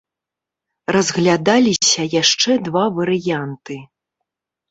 Разглядаліся яшчэ два варыянты.